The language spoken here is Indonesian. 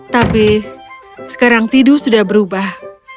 tapi sekarang tidu sudah berubah